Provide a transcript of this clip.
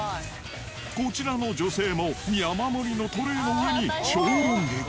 こちらの女性も山盛りのトレーの上に超ロング。